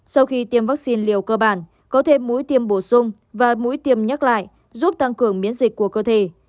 sau khi tiêm vắc xin liều cơ bản có thể mũi tiêm bổ sung và mũi tiêm nhắc lại giúp tăng cường miễn dịch của cơ thể